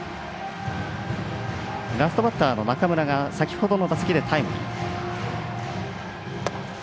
ラストバッターの中村が先ほどの打席でタイムリー。